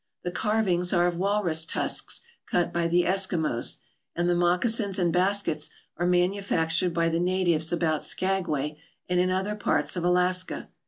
The carvings are of walrus tusks cut by the Eskimos, and the moccasins and baskets are manufactured by the na tives about Skagway and in other parts of Alaska.